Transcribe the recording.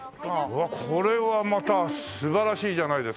うわっこれはまた素晴らしいじゃないですか！